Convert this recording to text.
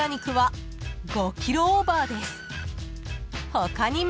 ［他にも］